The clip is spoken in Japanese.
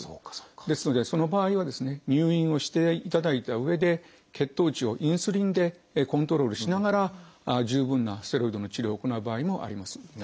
ですのでその場合は入院をしていただいたうえで血糖値をインスリンでコントロールしながら十分なステロイドの治療を行う場合もあります。